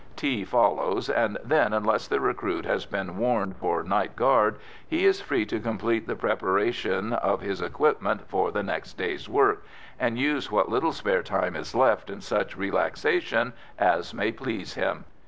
Tea follows, and then, unless the recruit has been warned for night guard, he is free to complete the preparation of his equipment for the next day's work, and use what little spare time is left in such relaxation as may please him.